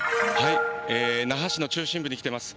那覇市の中心部に来ています。